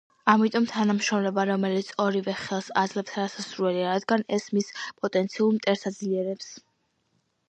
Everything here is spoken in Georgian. ამიტომ თანამშრომლობა, რომელიც ორივეს ხელს აძლევს არასასურველია, რადგანაც ეს მის პოტენციურ მტერს აძლიერებს.